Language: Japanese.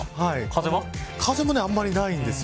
風もあんまりないんですよ。